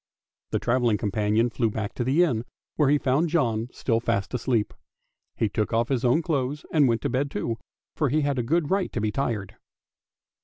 The travelling companion flew back to the inn, where he found John still fast asleep. He took off his own clothes and went to bed too, for he had good right to be tired.